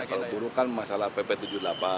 kalau buru kan masih